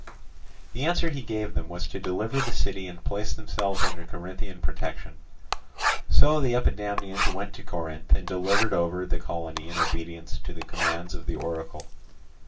The answer he gave them was to deliver the city and place themselves under Corinthian protection. So the Epidamnians went to Corinth and delivered over the colony in obedience to the commands of the oracle.